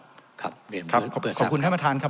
ใช่ครับขอบคุณท่านประทานครับ